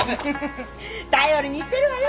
頼りにしてるわよ